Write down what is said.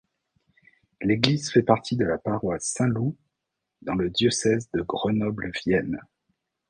L'église fait partie de la paroisse Saint-Loup, dans le Diocèse de Grenoble-Vienne.